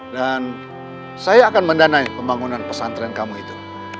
dan saya akan mendanai pembangunan pesantren kamu itu